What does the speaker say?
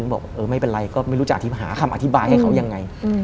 บอกเออไม่เป็นไรก็ไม่รู้จะอธิบหาคำอธิบายให้เขายังไง